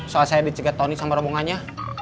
soal saya dicegat tony sama rombongannya